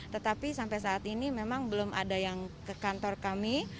tetapi sampai saat ini memang belum ada yang ke kantor kami